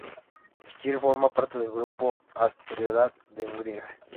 Stearns forma parte del grupo asteroidal de Hungaria.